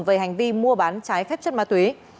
về hành vi mua bán trái phép chất ma túy